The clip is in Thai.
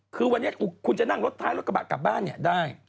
คือวันนี้คุณจะนั่งรถท้ายรถกระบะกลับบ้านเนี่ยได้